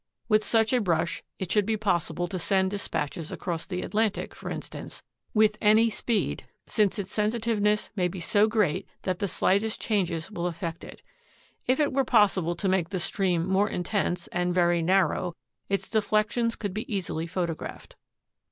With such a brush it would be possible to send dispatches across the Atlantic, for instance, with any speed, since its sensitiveness may be so great that the slightest changes will affect it. If it were possible to make the stream more in tense and very narrow, its deflections could be easily photographed.